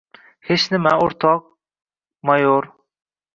— Hech nima, o‘rtoq… mayor!